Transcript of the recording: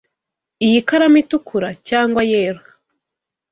Iyi karamu itukura cyangwa yera?